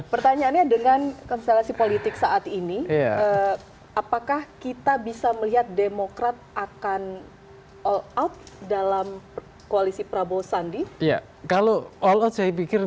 pertanyaannya dengan konstelasi politik saat ini